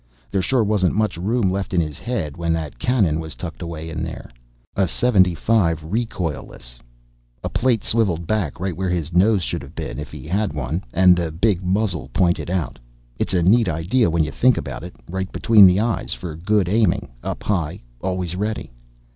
There sure wasn't much room left in his head when that cannon was tucked away in there. A .75 recoilless. A plate swiveled back right where his nose should have been if he had one, and the big muzzle pointed out. It's a neat idea when you think about it. Right between the eyes for good aiming, up high, always ready.